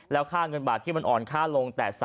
แล้วค่าเงินบาทที่มันอ่อนค่าลง